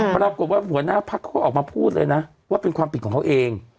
ปรากฏว่าหัวหน้าพักเขาออกมาพูดเลยนะว่าเป็นความผิดของเขาเอง